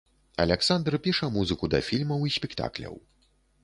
Аляксандр піша музыку да фільмаў і спектакляў.